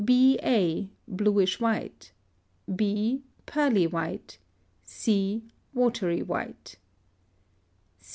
B. a. Bluish white. b. Pearly white. c. Watery white.